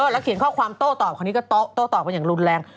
แล้วเขียนข้อความโต้ตอบคราวนี้ก็โต้ตอบกันอย่างรุนแรง